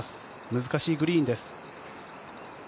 難しいグリーンです。